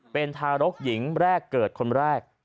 เป็นทารกหญิงแรกเกิดคนแรก